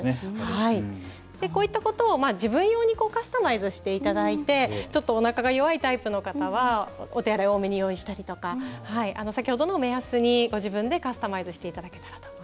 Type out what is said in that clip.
こういったことを自分用にカスタマイズしていただいておなかが弱いタイプの方はお手洗い多めに用意したりとか先ほどの目安に、ご自分でカスタマイズしていただけると。